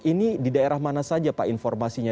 ini di daerah mana saja pak informasinya